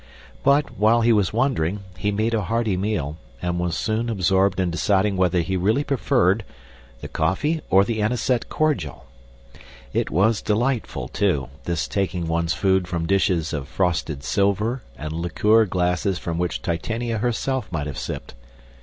But, while he was wondering, he made a hearty meal, and was soon absorbed in deciding which he really preferred, the coffee or the anisette cordial. It was delightful too this taking one's food from dishes of frosted silver and liqueur glasses from which Titania herself might have sipped.